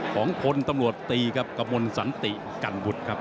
ของพลตำรวจตีครับกระมวลสันติกันบุตรครับ